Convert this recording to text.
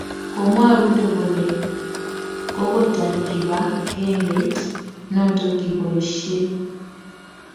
Komwa Ruto kole kokotar kibangengeit noto koboishei